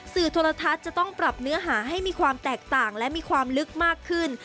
โทรทัศน์จะต้องปรับเนื้อหาให้มีความแตกต่างและมีความลึกมากขึ้น